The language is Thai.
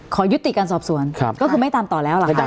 ขอยุติการสอบสวนก็คือไม่ตามต่อแล้วหลังจาก